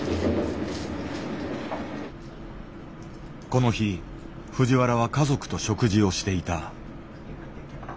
この日藤原は家族と食事をしていた。